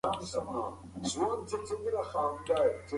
سپما د بریالي سوداګر لپاره اړینه ده.